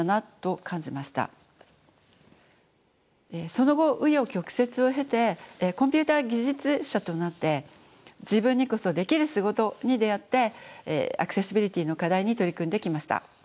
その後紆余曲折を経てコンピューター技術者となって自分にこそできる仕事に出会ってアクセシビリティーの課題に取り組んできました。